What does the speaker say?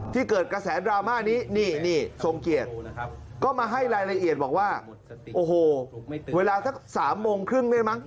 เกิดกระแสดราม่านี้นี่ทรงเกียรติก็มาให้รายละเอียดบอกว่าโอ้โหเวลาสัก๓โมงครึ่งได้มั้ง